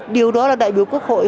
điều đó là đại biểu quốc hội